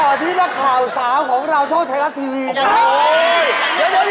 แล้วมาต่อที่นะคะวสาวของเราโชคชเทศรัฐทีนี้ครับ